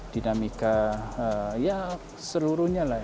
dinamika ya seluruhnya lah